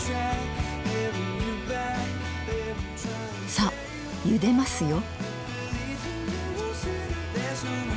さあゆでますよ。